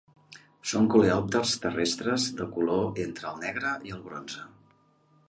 Són coleòpters terrestres de color entre el negre i el bronze.